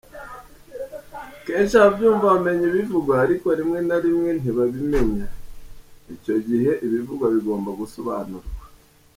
Kenshi ababyumva bamenya ibivugwa, ariko rimwe na rimwe ntibabimenya, icyo gihe ibivugwa bigomba gusobanurwa.